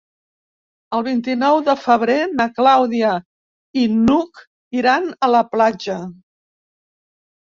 El vint-i-nou de febrer na Clàudia i n'Hug iran a la platja.